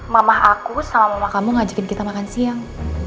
mamah aku sama mama kamu ngajakin kita makan siang